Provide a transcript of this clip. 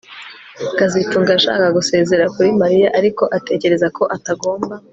kazitunga yashakaga gusezera kuri Mariya ariko atekereza ko atagomba